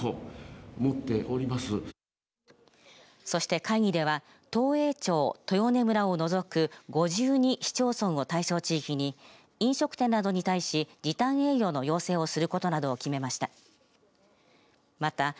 そして、会議では東栄町、豊根村を除く５２市町村を対象地域に飲食店などに対し時短営業の要請をすることなどを決めました。